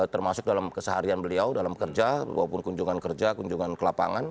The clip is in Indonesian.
termasuk dalam keseharian beliau dalam kerja walaupun kunjungan kerja kunjungan ke lapangan